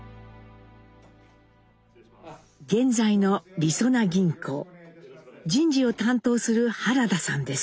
現在のりそな銀行人事を担当する原田さんです。